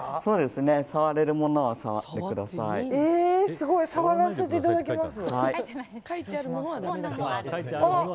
すごい、触らせていただきます。